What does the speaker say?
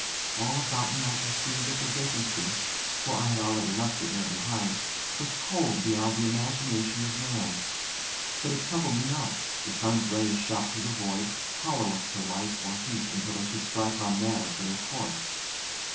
All about me I perceived that the vacancy (for I had already left the air behind) was cold beyond the imagination of man; but it troubled me not. The sun's rays shot through the void, powerless to light or heat until they should strike on matter in their course.